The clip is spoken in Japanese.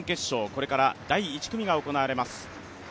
これから、第１組が行われます。